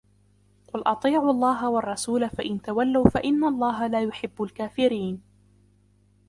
قل أطيعوا الله والرسول فإن تولوا فإن الله لا يحب الكافرين